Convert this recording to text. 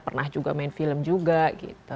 pernah juga main film juga gitu